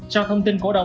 sau thông tin cổ đồng